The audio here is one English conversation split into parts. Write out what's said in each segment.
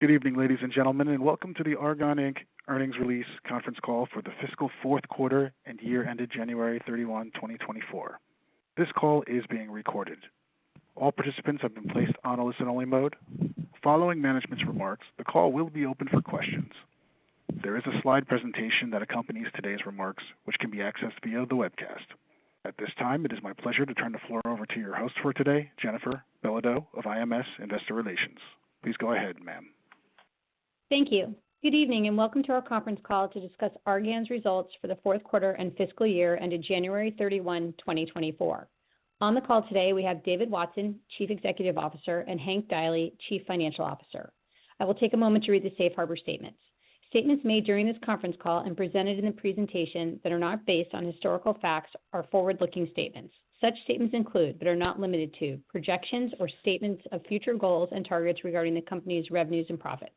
Good evening, ladies and gentlemen, and welcome to the Argan, Inc. Earnings Release Conference Call for the Fiscal Fourth Quarter and Year Ended January 31, 2024. This call is being recorded. All participants have been placed on a listen-only mode. Following management's remarks, the call will be open for questions. There is a slide presentation that accompanies today's remarks, which can be accessed via the webcast. At this time, it is my pleasure to turn the floor over to your host for today, Jennifer Belodeau of IMS Investor Relations. Please go ahead, ma'am. Thank you. Good evening and welcome to our conference call to discuss Argan's results for the fourth quarter and fiscal year ended January 31, 2024. On the call today, we have David Watson, Chief Executive Officer, and Hank Deily, Chief Financial Officer. I will take a moment to read the Safe Harbor Statements. Statements made during this conference call and presented in the presentation that are not based on historical facts are forward-looking statements. Such statements include, but are not limited to, projections or statements of future goals and targets regarding the company's revenues and profits.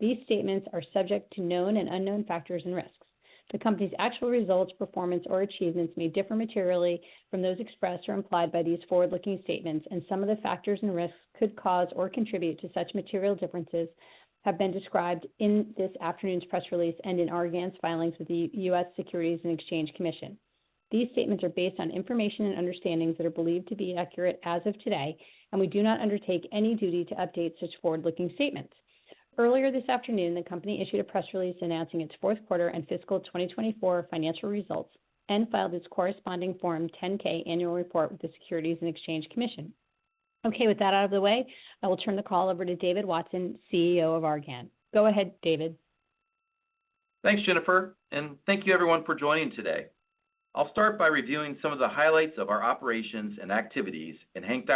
These statements are subject to known and unknown factors and risks. The company's actual results, performance, or achievements may differ materially from those expressed or implied by these forward-looking statements, and some of the factors and risks could cause or contribute to such material differences have been described in this afternoon's press release and in Argan's filings with the U.S. Securities and Exchange Commission. These statements are based on information and understandings that are believed to be accurate as of today, and we do not undertake any duty to update such forward-looking statements. Earlier this afternoon, the company issued a press release announcing its fourth quarter and fiscal 2024 financial results and filed its corresponding Form 10-K Annual Report with the Securities and Exchange Commission. Okay, with that out of the way, I will turn the call over to David Watson, CEO of Argan. Go ahead, David. Thanks, Jennifer, and thank you, everyone, for joining today. I'll start by reviewing some of the highlights of our operations and activities, and Hank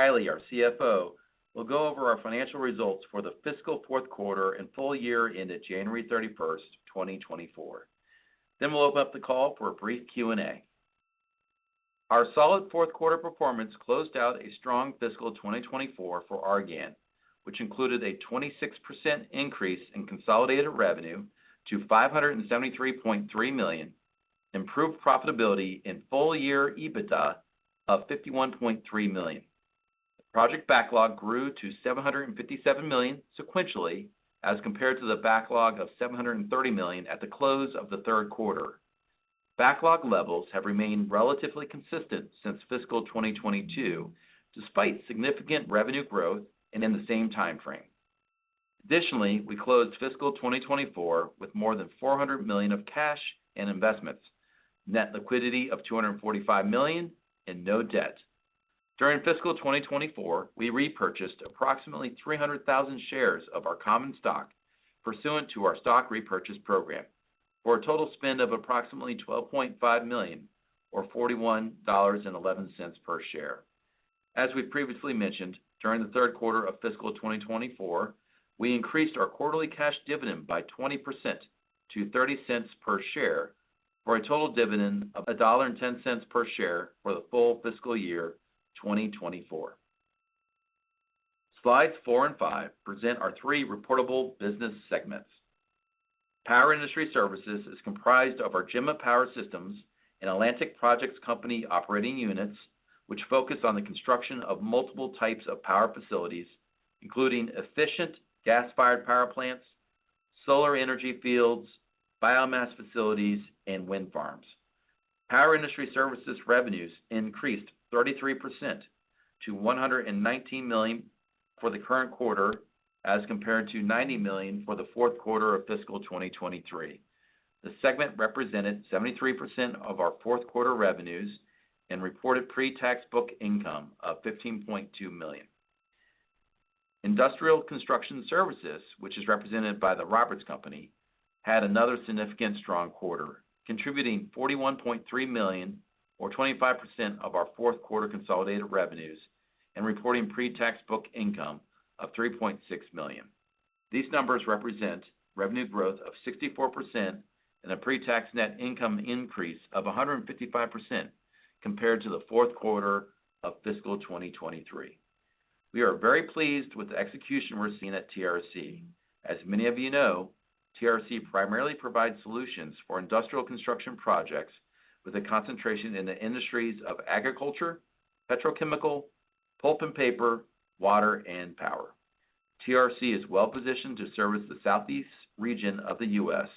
Deily, our CFO, will go over our financial results for the fiscal fourth quarter and full year ended January 31, 2024. Then we'll open up the call for a brief Q&A. Our solid fourth quarter performance closed out a strong fiscal 2024 for Argan, which included a 26% increase in consolidated revenue to $573.3 million, improved profitability in full-year EBITDA of $51.3 million. The project backlog grew to $757 million sequentially as compared to the backlog of $730 million at the close of the third quarter. Backlog levels have remained relatively consistent since fiscal 2022 despite significant revenue growth and in the same time frame. Additionally, we closed fiscal 2024 with more than $400 million of cash and investments, net liquidity of $245 million, and no debt. During fiscal 2024, we repurchased approximately 300,000 shares of our common stock pursuant to our stock repurchase program for a total spend of approximately $12.5 million or $41.11 per share. As we've previously mentioned, during the third quarter of fiscal 2024, we increased our quarterly cash dividend by 20% to $0.30 per share for a total dividend of $1.10 per share for the full fiscal year 2024. Slides four and five present our three reportable business segments. Power Industry Services is comprised of our Gemma Power Systems and Atlantic Projects Company operating units, which focus on the construction of multiple types of power facilities, including efficient gas-fired power plants, solar energy fields, biomass facilities, and wind farms. Power Industry Services revenues increased 33% to $119 million for the current quarter as compared to $90 million for the fourth quarter of fiscal 2023. The segment represented 73% of our fourth quarter revenues and reported pre-tax book income of $15.2 million. Industrial Construction Services, which is represented by The Roberts Company, had another significant strong quarter, contributing $41.3 million or 25% of our fourth quarter consolidated revenues and reporting pre-tax book income of $3.6 million. These numbers represent revenue growth of 64% and a pre-tax net income increase of 155% compared to the fourth quarter of fiscal 2023. We are very pleased with the execution we're seeing at TRC. As many of you know, TRC primarily provides solutions for industrial construction projects with a concentration in the industries of agriculture, petrochemical, pulp and paper, water, and power. TRC is well-positioned to service the Southeast region of the U.S.,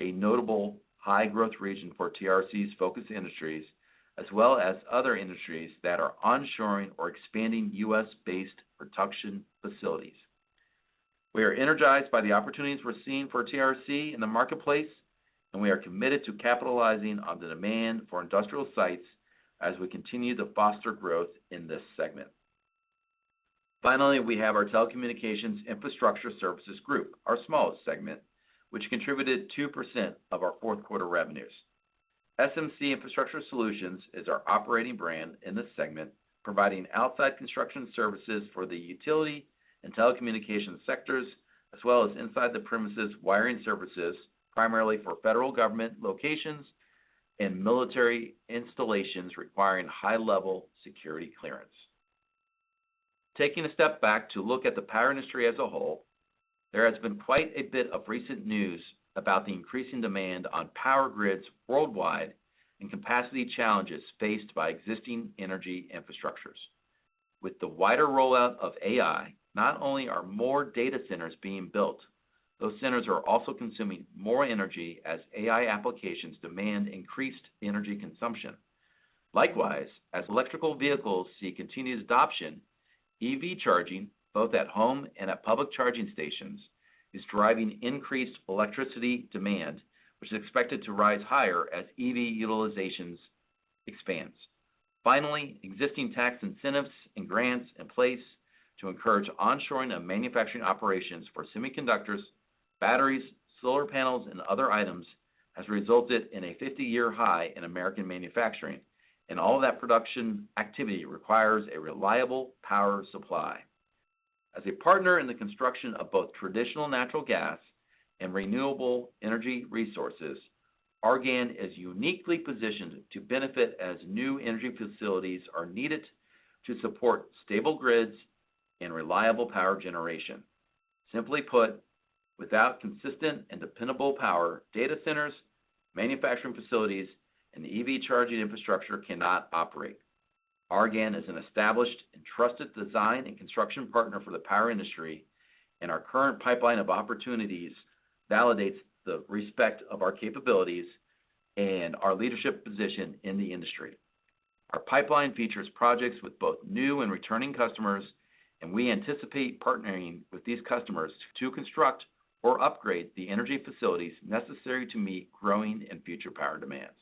a notable high-growth region for TRC's focus industries as well as other industries that are onshoring or expanding U.S.-based production facilities. We are energized by the opportunities we're seeing for TRC in the marketplace, and we are committed to capitalizing on the demand for industrial sites as we continue to foster growth in this segment. Finally, we have our Telecommunications Infrastructure Services Group, our smallest segment, which contributed 2% of our fourth quarter revenues. SMC Infrastructure Solutions is our operating brand in this segment, providing outside construction services for the utility and telecommunications sectors as well as inside premises wiring services, primarily for federal government locations and military installations requiring high-level security clearance. Taking a step back to look at the power industry as a whole, there has been quite a bit of recent news about the increasing demand on power grids worldwide and capacity challenges faced by existing energy infrastructures. With the wider rollout of AI, not only are more data centers being built, those centers are also consuming more energy as AI applications demand increased energy consumption. Likewise, as electric vehicles see continued adoption, EV charging, both at home and at public charging stations, is driving increased electricity demand, which is expected to rise higher as EV utilization expands. Finally, existing tax incentives and grants in place to encourage onshoring of manufacturing operations for semiconductors, batteries, solar panels, and other items has resulted in a 50-year high in American manufacturing, and all of that production activity requires a reliable power supply. As a partner in the construction of both traditional natural gas and renewable energy resources, Argan is uniquely positioned to benefit as new energy facilities are needed to support stable grids and reliable power generation. Simply put, without consistent and dependable power, data centers, manufacturing facilities, and EV charging infrastructure cannot operate. Argan is an established and trusted design and construction partner for the power industry, and our current pipeline of opportunities validates the respect of our capabilities and our leadership position in the industry. Our pipeline features projects with both new and returning customers, and we anticipate partnering with these customers to construct or upgrade the energy facilities necessary to meet growing and future power demands.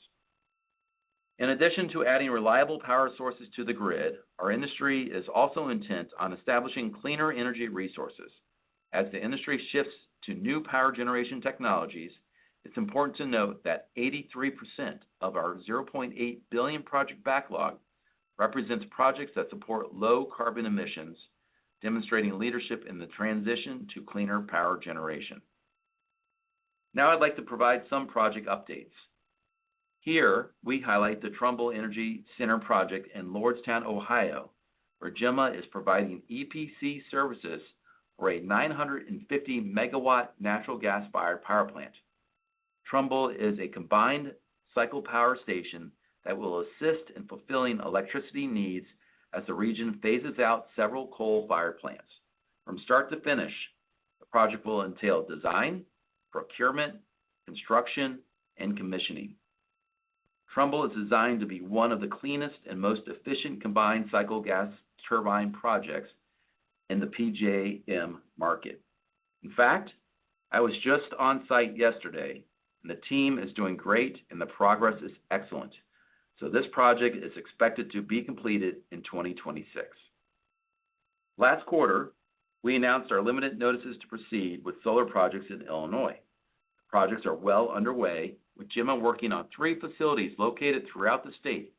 In addition to adding reliable power sources to the grid, our industry is also intent on establishing cleaner energy resources. As the industry shifts to new power generation technologies, it's important to note that 83% of our $0.8 billion project backlog represents projects that support low carbon emissions, demonstrating leadership in the transition to cleaner power generation. Now I'd like to provide some project updates. Here, we highlight the Trumbull Energy Center project in Lordstown, Ohio, where Gemma is providing EPC services for a 950-megawatt natural gas-fired power plant. Trumbull is a combined cycle power station that will assist in fulfilling electricity needs as the region phases out several coal-fired plants. From start to finish, the project will entail design, procurement, construction, and commissioning. Trumbull is designed to be one of the cleanest and most efficient combined cycle gas turbine projects in the PJM market. In fact, I was just on site yesterday, and the team is doing great, and the progress is excellent, so this project is expected to be completed in 2026. Last quarter, we announced our limited notices to proceed with solar projects in Illinois. The projects are well underway, with Gemma working on three facilities located throughout the state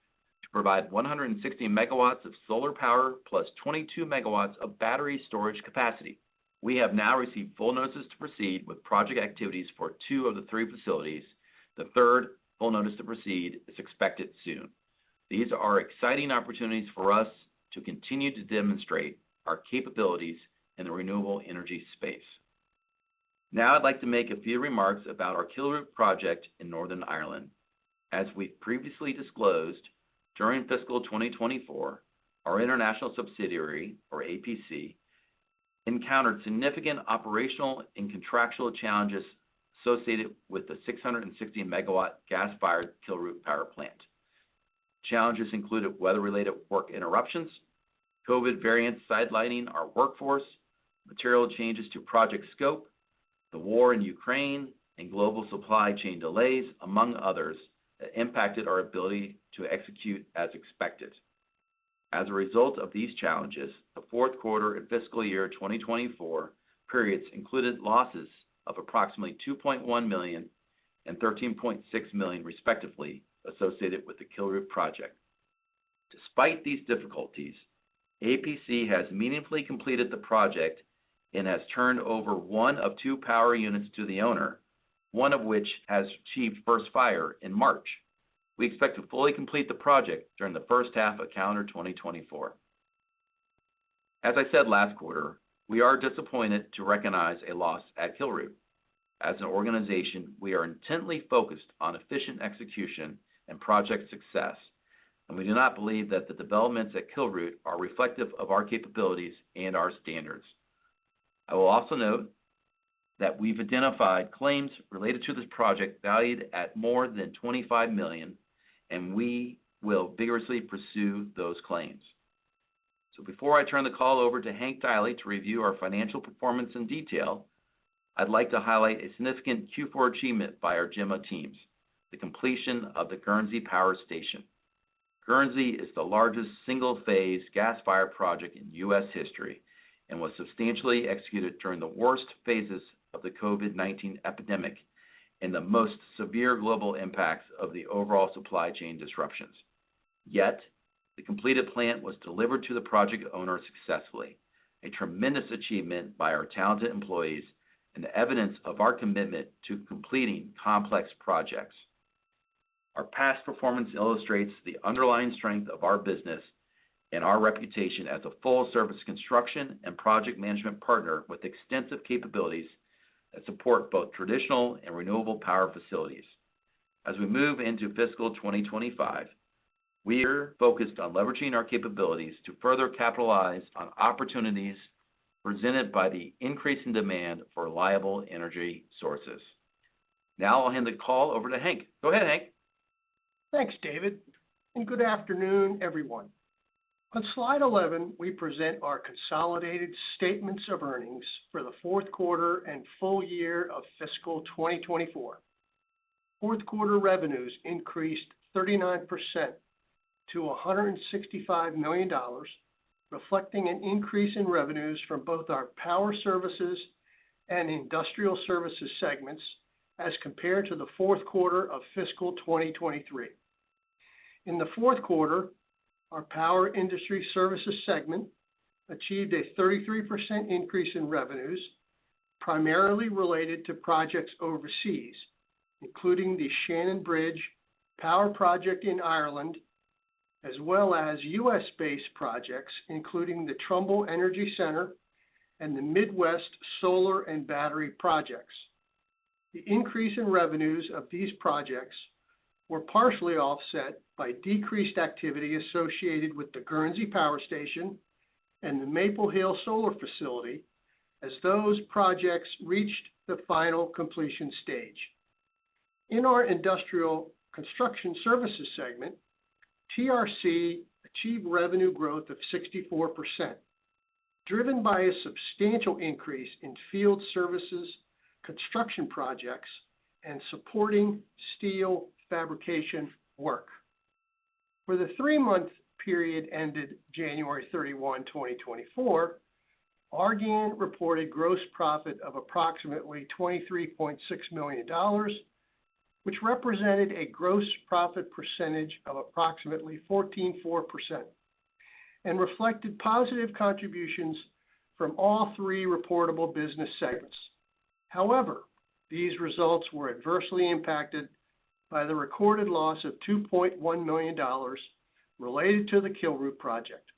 to provide 160 MW of solar power plus 22 MW of battery storage capacity. We have now received full notices to proceed with project activities for two of the three facilities. The third full notice to proceed is expected soon. These are exciting opportunities for us to continue to demonstrate our capabilities in the renewable energy space. Now I'd like to make a few remarks about our Kilroot project in Northern Ireland. As we've previously disclosed, during fiscal 2024, our international subsidiary, or APC, encountered significant operational and contractual challenges associated with the 660-megawatt gas-fired Kilroot power plant. Challenges included weather-related work interruptions, COVID variants sidelining our workforce, material changes to project scope, the war in Ukraine, and global supply chain delays, among others, that impacted our ability to execute as expected. As a result of these challenges, the fourth quarter and fiscal year 2024 periods included losses of approximately $2.1 million and $13.6 million, respectively, associated with the Kilroot project. Despite these difficulties, APC has meaningfully completed the project and has turned over one of two power units to the owner, one of which has achieved first fire in March. We expect to fully complete the project during the first half of calendar 2024. As I said last quarter, we are disappointed to recognize a loss at Kilroot. As an organization, we are intently focused on efficient execution and project success, and we do not believe that the developments at Kilroot are reflective of our capabilities and our standards. I will also note that we've identified claims related to this project valued at more than $25 million, and we will vigorously pursue those claims. Before I turn the call over to Hank Deily to review our financial performance in detail, I'd like to highlight a significant Q4 achievement by our Gemma teams: the completion of the Guernsey Power Station. Guernsey is the largest single-phase gas-fired project in U.S. history and was substantially executed during the worst phases of the COVID-19 epidemic and the most severe global impacts of the overall supply chain disruptions. Yet, the completed plant was delivered to the project owner successfully, a tremendous achievement by our talented employees and the evidence of our commitment to completing complex projects. Our past performance illustrates the underlying strength of our business and our reputation as a full-service construction and project management partner with extensive capabilities that support both traditional and renewable power facilities. As we move into fiscal 2025, we are focused on leveraging our capabilities to further capitalize on opportunities presented by the increasing demand for reliable energy sources. Now I'll hand the call over to Hank. Go ahead, Hank. Thanks, David, and good afternoon, everyone. On slide 11, we present our consolidated statements of earnings for the fourth quarter and full year of fiscal 2024. Fourth quarter revenues increased 39% to $165 million, reflecting an increase in revenues from both our power services and industrial services segments as compared to the fourth quarter of fiscal 2023. In the fourth quarter, our power industry services segment achieved a 33% increase in revenues, primarily related to projects overseas, including the Shannonbridge power project in Ireland, as well as U.S.-based projects, including the Trumbull Energy Center and the Midwest solar and battery projects. The increase in revenues of these projects was partially offset by decreased activity associated with the Guernsey Power Station and the Maple Hill Solar facility as those projects reached the final completion stage. In our industrial construction services segment, TRC achieved revenue growth of 64%, driven by a substantial increase in field services, construction projects, and supporting steel fabrication work. For the three-month period ended January 31, 2024, Argan reported gross profit of approximately $23.6 million, which represented a gross profit percentage of approximately 14.4% and reflected positive contributions from all three reportable business segments. However, these results were adversely impacted by the recorded loss of $2.1 million related to the Kilroot project.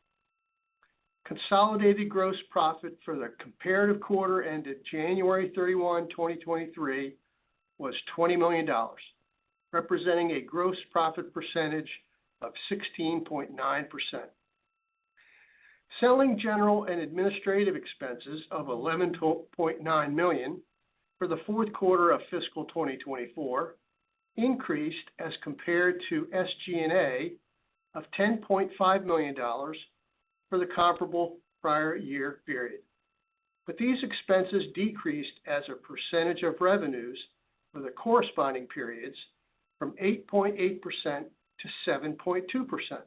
Consolidated gross profit for the comparative quarter ended January 31, 2023, was $20 million, representing a gross profit percentage of 16.9%. Selling general and administrative expenses of $11.9 million for the fourth quarter of fiscal 2024 increased as compared to SG&A of $10.5 million for the comparable prior year period. But these expenses decreased as a percentage of revenues for the corresponding periods from 8.8%-7.2%.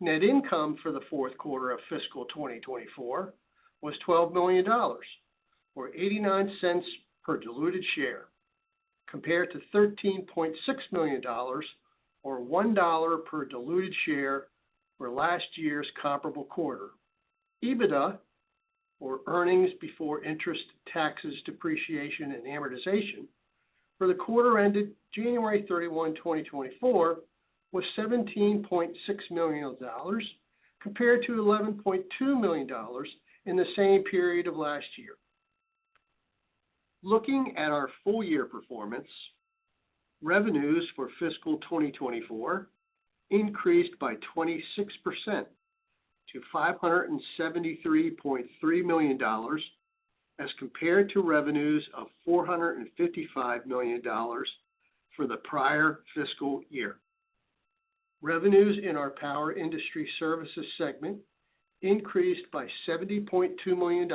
Net income for the fourth quarter of fiscal 2024 was $12 million, or $0.89 per diluted share, compared to $13.6 million, or $1 per diluted share for last year's comparable quarter. EBITDA, or earnings before interest, taxes, depreciation, and amortization for the quarter ended January 31, 2024, was $17.6 million, compared to $11.2 million in the same period of last year. Looking at our full-year performance, revenues for fiscal 2024 increased by 26% to $573.3 million as compared to revenues of $455 million for the prior fiscal year. Revenues in our power industry services segment increased by $70.2 million,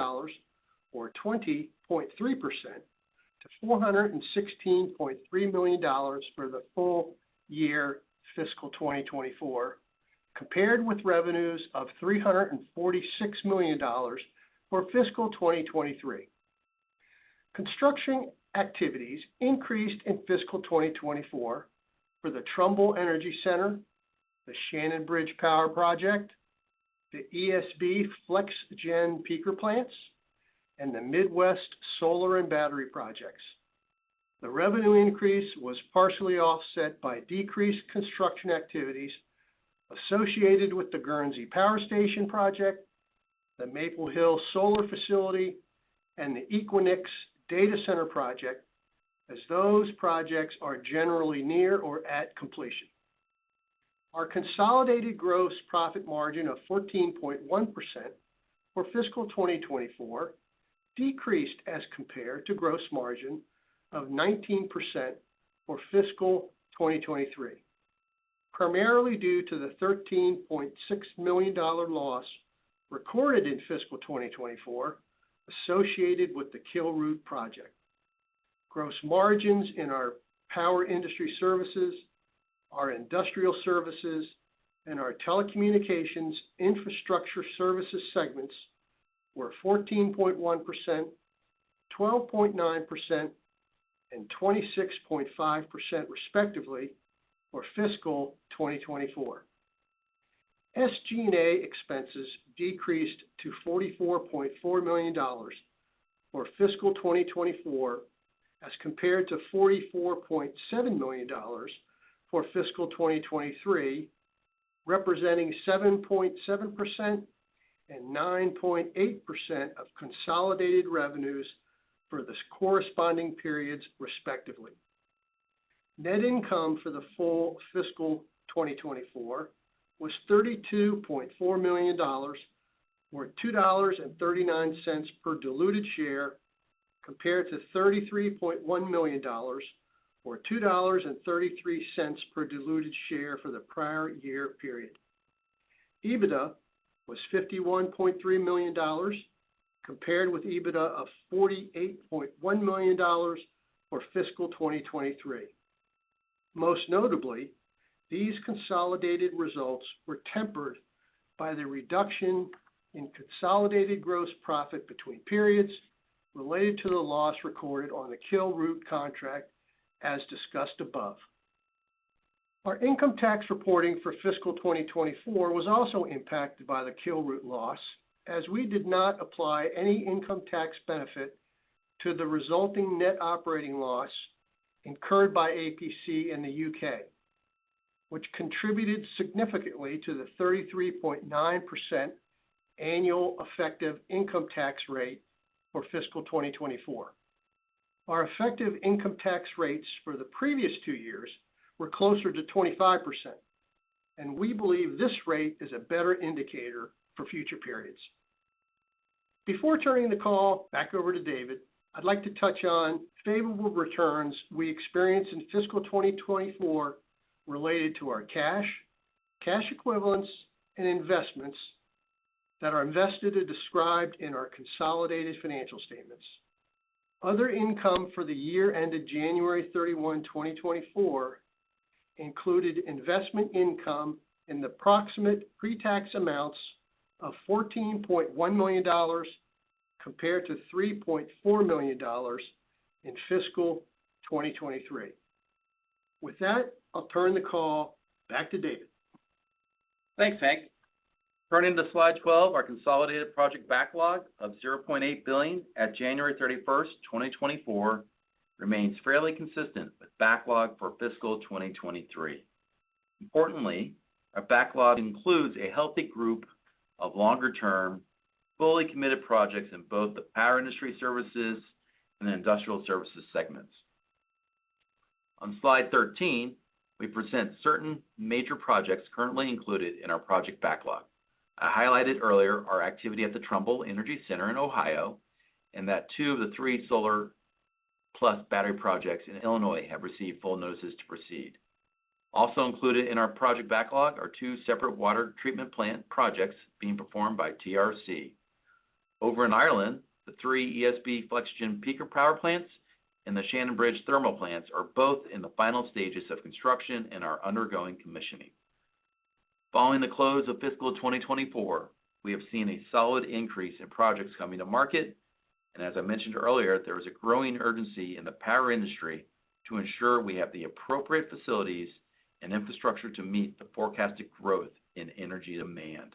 or 20.3%, to $416.3 million for the full-year fiscal 2024, compared with revenues of $346 million for fiscal 2023. Construction activities increased in fiscal 2024 for the Trumbull Energy Center, the Shannonbridge power project, the ESB FlexGen Peaker plants, and the Midwest solar and battery projects. The revenue increase was partially offset by decreased construction activities associated with the Guernsey Power Station project, the Maple Hill Solar facility, and the Equinix data center project, as those projects are generally near or at completion. Our consolidated gross profit margin of 14.1% for fiscal 2024 decreased as compared to gross margin of 19% for fiscal 2023, primarily due to the $13.6 million loss recorded in fiscal 2024 associated with the Kilroot project. Gross margins in our power industry services, our industrial services, and our telecommunications infrastructure services segments were 14.1%, 12.9%, and 26.5%, respectively, for fiscal 2024. SG&A expenses decreased to $44.4 million for fiscal 2024 as compared to $44.7 million for fiscal 2023, representing 7.7% and 9.8% of consolidated revenues for the corresponding periods, respectively. Net income for the full fiscal 2024 was $32.4 million, or $2.39 per diluted share, compared to $33.1 million, or $2.33 per diluted share for the prior year period. EBITDA was $51.3 million, compared with EBITDA of $48.1 million for fiscal 2023. Most notably, these consolidated results were tempered by the reduction in consolidated gross profit between periods related to the loss recorded on the Kilroot contract, as discussed above. Our income tax reporting for fiscal 2024 was also impacted by the Kilroot loss, as we did not apply any income tax benefit to the resulting net operating loss incurred by APC in the UK, which contributed significantly to the 33.9% annual effective income tax rate for fiscal 2024. Our effective income tax rates for the previous two years were closer to 25%, and we believe this rate is a better indicator for future periods. Before turning the call back over to David, I'd like to touch on favorable returns we experienced in fiscal 2024 related to our cash, cash equivalents, and investments that are invested and described in our consolidated financial statements. Other income for the year ended January 31, 2024 included investment income in the approximate pre-tax amounts of $14.1 million compared to $3.4 million in fiscal 2023. With that, I'll turn the call back to David. Thanks, Hank. Turning to slide 12, our consolidated project backlog of $0.8 billion at January 31, 2024, remains fairly consistent with backlog for fiscal 2023. Importantly, our backlog includes a healthy group of longer-term, fully committed projects in both the power industry services and the industrial services segments. On slide 13, we present certain major projects currently included in our project backlog. I highlighted earlier our activity at the Trumbull Energy Center in Ohio and that two of the three solar-plus battery projects in Illinois have received full notices to proceed. Also included in our project backlog are two separate water treatment plant projects being performed by TRC. Over in Ireland, the three ESB FlexGen Peaker power plants and the Shannonbridge thermal plants are both in the final stages of construction and are undergoing commissioning. Following the close of fiscal 2024, we have seen a solid increase in projects coming to market, and as I mentioned earlier, there is a growing urgency in the power industry to ensure we have the appropriate facilities and infrastructure to meet the forecasted growth in energy demand.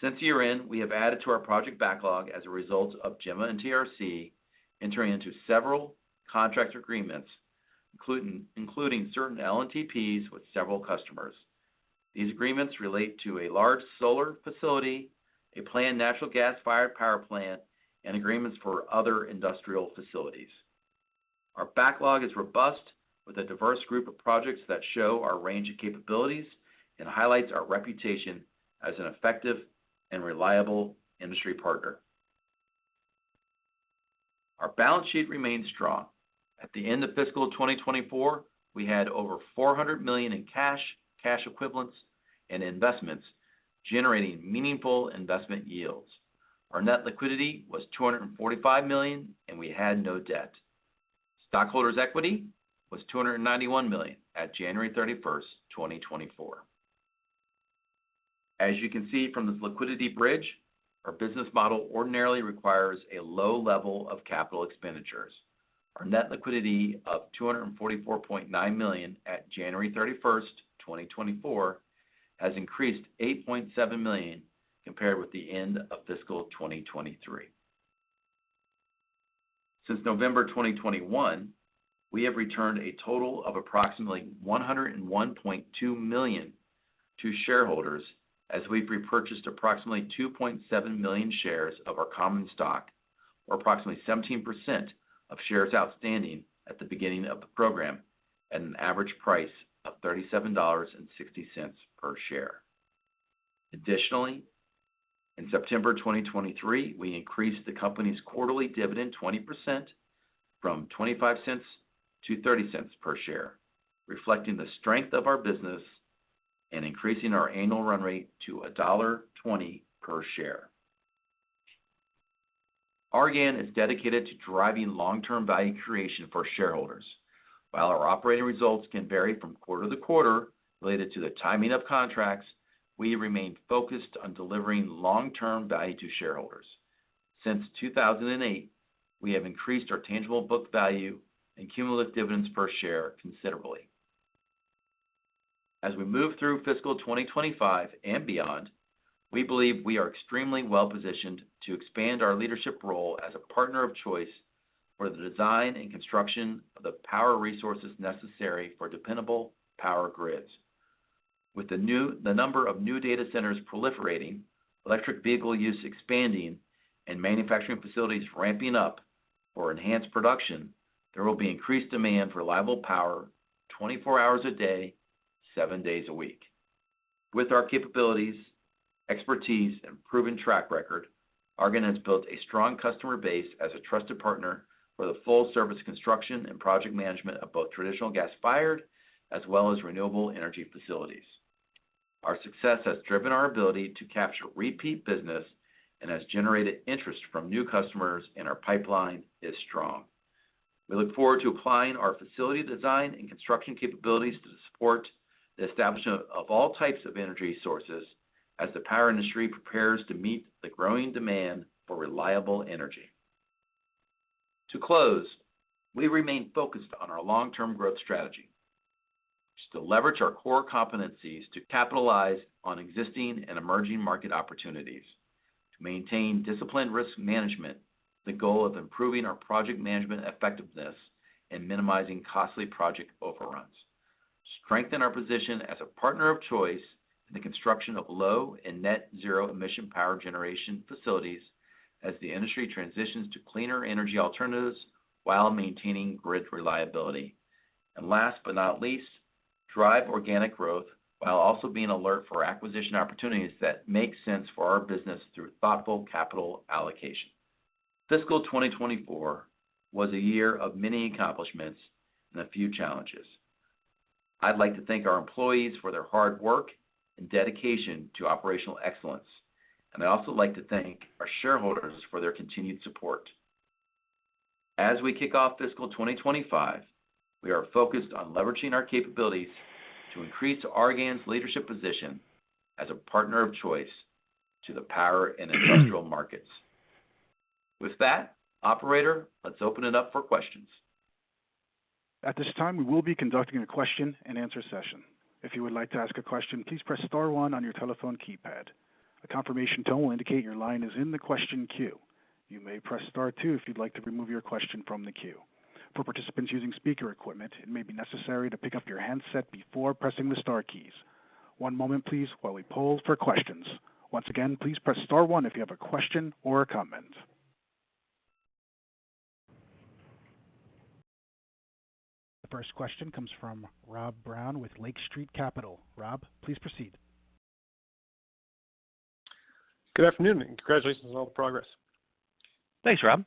Since year-end, we have added to our project backlog as a result of Gemma and TRC entering into several contract agreements, including certain LNTPs with several customers. These agreements relate to a large solar facility, a planned natural gas-fired power plant, and agreements for other industrial facilities. Our backlog is robust with a diverse group of projects that show our range of capabilities and highlights our reputation as an effective and reliable industry partner. Our balance sheet remains strong. At the end of fiscal 2024, we had over $400 million in cash, cash equivalents, and investments generating meaningful investment yields. Our net liquidity was $245 million, and we had no debt. Stockholders' equity was $291 million at January 31, 2024. As you can see from this liquidity bridge, our business model ordinarily requires a low level of capital expenditures. Our net liquidity of $244.9 million at January 31, 2024, has increased $8.7 million compared with the end of fiscal 2023. Since November 2021, we have returned a total of approximately $101.2 million to shareholders as we've repurchased approximately 2.7 million shares of our common stock, or approximately 17% of shares outstanding at the beginning of the program, at an average price of $37.60 per share. Additionally, in September 2023, we increased the company's quarterly dividend 20% from $0.25 to $0.30 per share, reflecting the strength of our business and increasing our annual run rate to $1.20 per share. Argan is dedicated to driving long-term value creation for shareholders. While our operating results can vary from quarter to quarter related to the timing of contracts, we remain focused on delivering long-term value to shareholders. Since 2008, we have increased our tangible book value and cumulative dividends per share considerably. As we move through fiscal 2025 and beyond, we believe we are extremely well-positioned to expand our leadership role as a partner of choice for the design and construction of the power resources necessary for dependable power grids. With the number of new data centers proliferating, electric vehicle use expanding, and manufacturing facilities ramping up for enhanced production, there will be increased demand for reliable power 24 hours a day, seven days a week. With our capabilities, expertise, and proven track record, Argan has built a strong customer base as a trusted partner for the full-service construction and project management of both traditional gas-fired as well as renewable energy facilities. Our success has driven our ability to capture repeat business and has generated interest from new customers. Our pipeline is strong. We look forward to applying our facility design and construction capabilities to support the establishment of all types of energy sources as the power industry prepares to meet the growing demand for reliable energy. To close, we remain focused on our long-term growth strategy, which is to leverage our core competencies to capitalize on existing and emerging market opportunities, to maintain disciplined risk management, the goal of improving our project management effectiveness, and minimizing costly project overruns, strengthen our position as a partner of choice in the construction of low and net-zero emission power generation facilities as the industry transitions to cleaner energy alternatives while maintaining grid reliability, and last but not least, drive organic growth while also being alert for acquisition opportunities that make sense for our business through thoughtful capital allocation. Fiscal 2024 was a year of many accomplishments and a few challenges. I'd like to thank our employees for their hard work and dedication to operational excellence, and I'd also like to thank our shareholders for their continued support. As we kick off fiscal 2025, we are focused on leveraging our capabilities to increase Argan's leadership position as a partner of choice to the power and industrial markets. With that, operator, let's open it up for questions. At this time, we will be conducting a question and answer session. If you would like to ask a question, please press star one on your telephone keypad. A confirmation tone will indicate your line is in the question queue. You may press star two if you'd like to remove your question from the queue. For participants using speaker equipment, it may be necessary to pick up your handset before pressing the star keys. One moment, please, while we poll for questions. Once again, please press star one if you have a question or a comment. The first question comes from Rob Brown with Lake Street Capital. Rob, please proceed. Good afternoon and congratulations on all the progress. Thanks, Rob.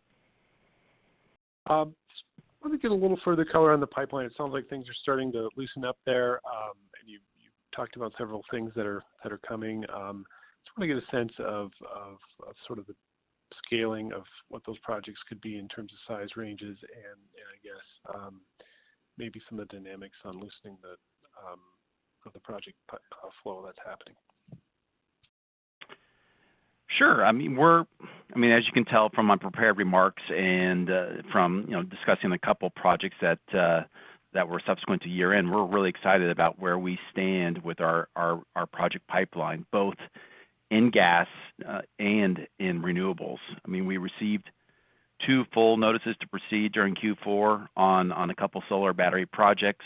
I want to get a little further color on the pipeline. It sounds like things are starting to loosen up there, and you talked about several things that are coming. I just want to get a sense of sort of the scaling of what those projects could be in terms of size ranges and, I guess, maybe some of the dynamics on loosening of the project flow that's happening? Sure. I mean, as you can tell from my prepared remarks and from discussing a couple of projects that were subsequent to year-end, we're really excited about where we stand with our project pipeline, both in gas and in renewables. I mean, we received two full notices to proceed during Q4 on a couple of solar battery projects.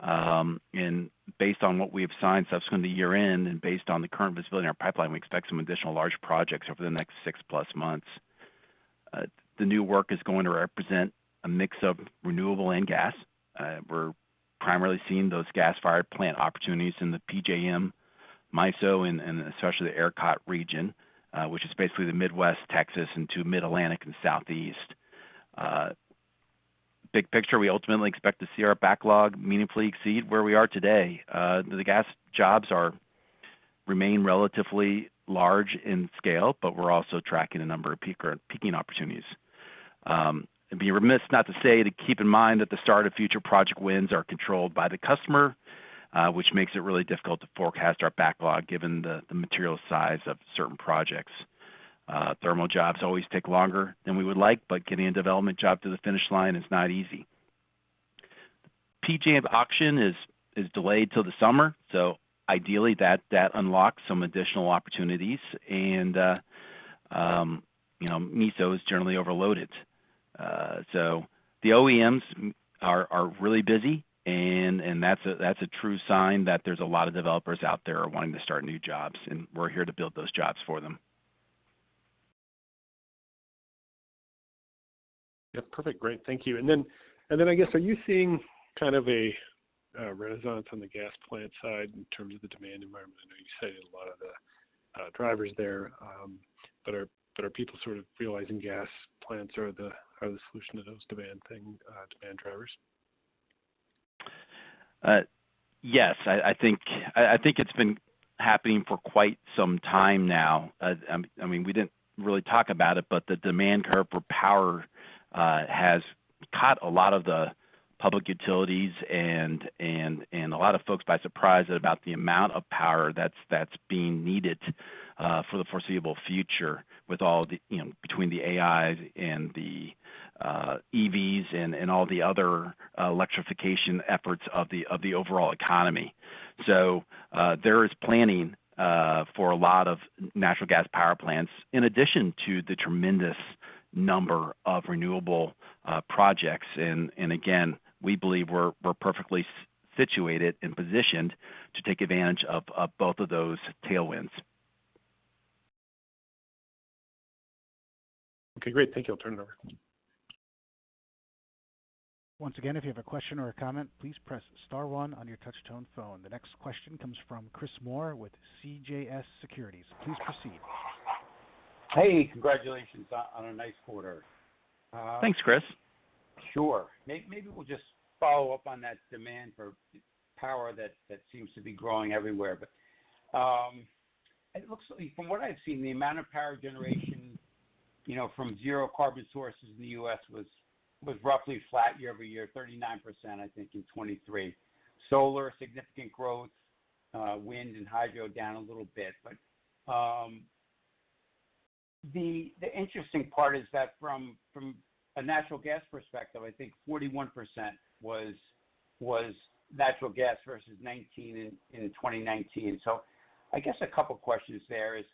And based on what we have signed subsequent to year-end and based on the current visibility in our pipeline, we expect some additional large projects over the next six-plus months. The new work is going to represent a mix of renewable and gas. We're primarily seeing those gas-fired plant opportunities in the PJM, MISO, and especially the ERCOT region, which is basically the Midwest, Texas, and to Mid-Atlantic and Southeast. Big picture, we ultimately expect to see our backlog meaningfully exceed where we are today. The gas jobs remain relatively large in scale, but we're also tracking a number of peaking opportunities. It'd be remiss not to say to keep in mind that the start of future project wins are controlled by the customer, which makes it really difficult to forecast our backlog given the material size of certain projects. Thermal jobs always take longer than we would like, but getting a development job to the finish line is not easy. PJM's auction is delayed till the summer, so ideally, that unlocks some additional opportunities. MISO is generally overloaded. The OEMs are really busy, and that's a true sign that there's a lot of developers out there wanting to start new jobs, and we're here to build those jobs for them. Yeah. Perfect. Great. Thank you. And then, I guess, are you seeing kind of a renaissance on the gas plant side in terms of the demand environment? I know you cited a lot of the drivers there. But are people sort of realizing gas plants are the solution to those demand drivers? Yes. I think it's been happening for quite some time now. I mean, we didn't really talk about it, but the demand curve for power has caught a lot of the public utilities and a lot of folks by surprise about the amount of power that's being needed for the foreseeable future between the AIs and the EVs and all the other electrification efforts of the overall economy. So there is planning for a lot of natural gas power plants in addition to the tremendous number of renewable projects. And again, we believe we're perfectly situated and positioned to take advantage of both of those tailwinds. Okay. Great. Thank you. I'll turn it over. Once again, if you have a question or a comment, please press star one on your touch-tone phone. The next question comes from Chris Moore with CJS Securities. Please proceed. Hey. Congratulations on a nice quarter. Thanks, Chris. Sure. Maybe we'll just follow up on that demand for power that seems to be growing everywhere. But from what I've seen, the amount of power generation from zero carbon sources in the U.S. was roughly flat year-over-year, 39%, I think, in 2023. Solar, significant growth. Wind and hydro down a little bit. But the interesting part is that from a natural gas perspective, I think 41% was natural gas versus 19% in 2019. So I guess a couple of questions there is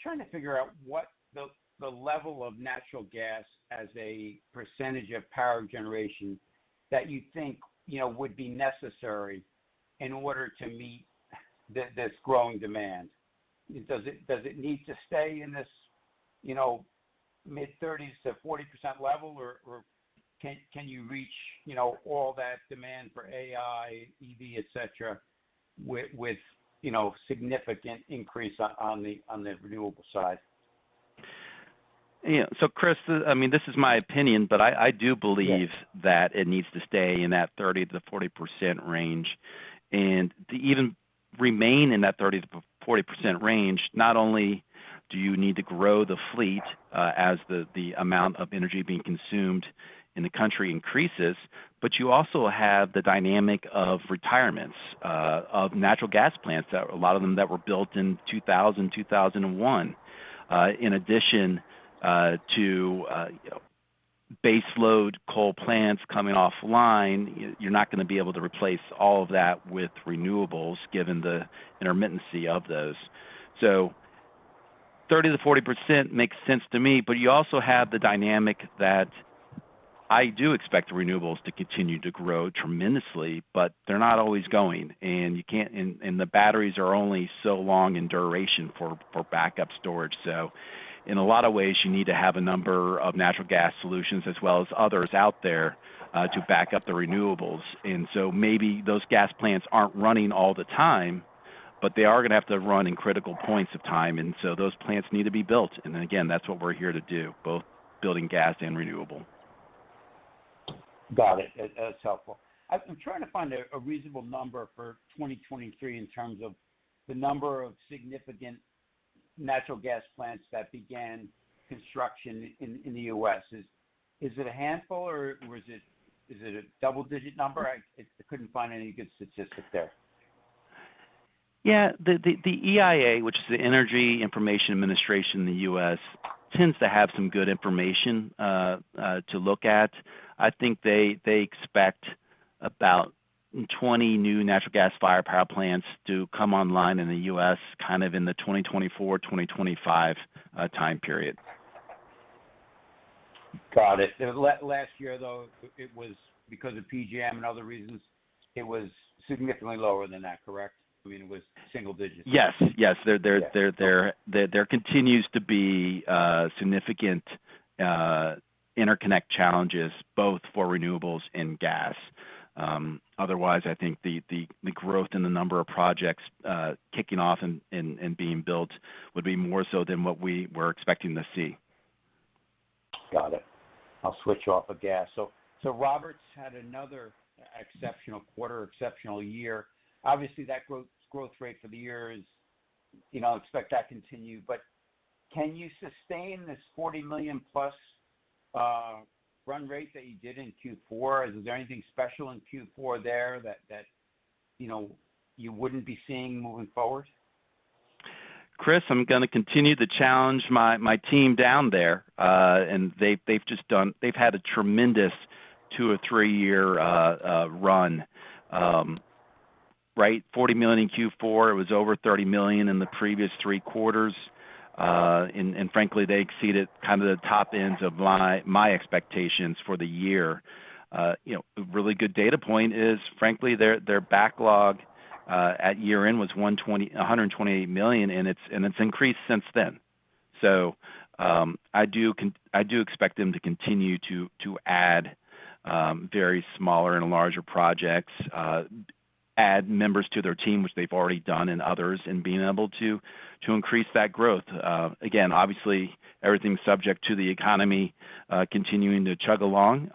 trying to figure out what the level of natural gas as a percentage of power generation that you think would be necessary in order to meet this growing demand. Does it need to stay in this mid-30s-40% level, or can you reach all that demand for AI, EV, etc., with significant increase on the renewable side? Yeah. So Chris, I mean, this is my opinion, but I do believe that it needs to stay in that 30%-40% range. To even remain in that 30%-40% range, not only do you need to grow the fleet as the amount of energy being consumed in the country increases, but you also have the dynamic of retirements of natural gas plants, a lot of them that were built in 2000, 2001. In addition to baseload coal plants coming offline, you're not going to be able to replace all of that with renewables given the intermittency of those. So 30%-40% makes sense to me, but you also have the dynamic that I do expect the renewables to continue to grow tremendously, but they're not always going. And the batteries are only so long in duration for backup storage. In a lot of ways, you need to have a number of natural gas solutions as well as others out there to back up the renewables. And so maybe those gas plants aren't running all the time, but they are going to have to run in critical points of time. And so those plants need to be built. And again, that's what we're here to do, both building gas and renewable. Got it. That's helpful. I'm trying to find a reasonable number for 2023 in terms of the number of significant natural gas plants that began construction in the U.S. Is it a handful, or is it a double-digit number? I couldn't find any good statistic there. Yeah. The EIA, which is the Energy Information Administration in the U.S., tends to have some good information to look at. I think they expect about 20 new natural gas-fired power plants to come online in the U.S. kind of in the 2024, 2025 time period. Got it. Last year, though, because of PJM and other reasons, it was significantly lower than that, correct? I mean, it was single-digit. Yes. Yes. There continues to be significant interconnect challenges, both for renewables and gas. Otherwise, I think the growth in the number of projects kicking off and being built would be more so than what we were expecting to see. Got it. I'll switch off of gas. So Roberts had another exceptional quarter, exceptional year. Obviously, that growth rate for the year is expect that to continue. But can you sustain this $40 million-plus run rate that you did in Q4? Is there anything special in Q4 there that you wouldn't be seeing moving forward? Chris, I'm going to continue to challenge my team down there. They've had a tremendous two- or three-year run, right? $40 million in Q4. It was over $30 million in the previous three quarters. Frankly, they exceeded kind of the top ends of my expectations for the year. A really good data point is, frankly, their backlog at year-end was $128 million, and it's increased since then. I do expect them to continue to add very smaller and larger projects, add members to their team, which they've already done, and others, and being able to increase that growth. Again, obviously, everything's subject to the economy continuing to chug along,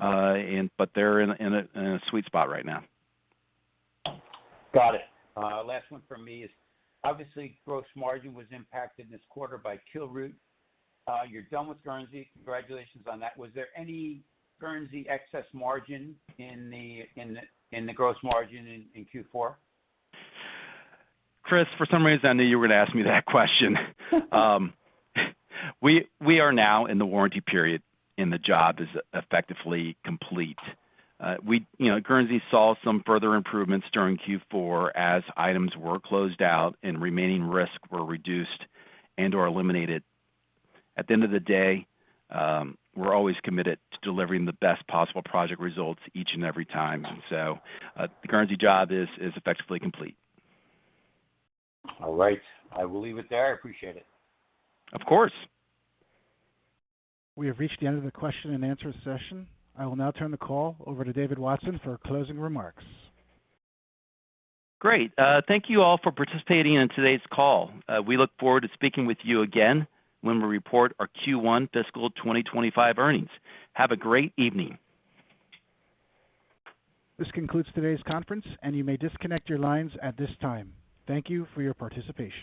but they're in a sweet spot right now. Got it. Last one from me is, obviously, gross margin was impacted this quarter by Kilroot. You're done with Guernsey. Congratulations on that. Was there any Guernsey excess margin in the gross margin in Q4? Chris, for some reason, I knew you were going to ask me that question. We are now in the warranty period, and the job is effectively complete. Guernsey saw some further improvements during Q4 as items were closed out and remaining risk were reduced and/or eliminated. At the end of the day, we're always committed to delivering the best possible project results each and every time. So the Guernsey job is effectively complete. All right. I will leave it there. I appreciate it. Of course. We have reached the end of the question and answer session. I will now turn the call over to David Watson for closing remarks. Great. Thank you all for participating in today's call. We look forward to speaking with you again when we report our Q1 fiscal 2025 earnings. Have a great evening. This concludes today's conference, and you may disconnect your lines at this time. Thank you for your participation.